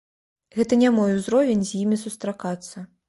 Гэта не мой узровень з імі сустракацца.